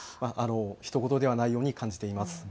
ひと事ではないように感じています。